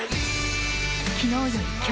昨日より今日。